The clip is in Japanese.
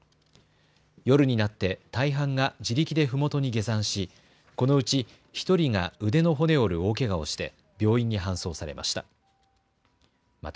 夜になって大半が自力でふもとに下山し、このうち１人が腕の骨を折る大けがをして病院に搬送されました。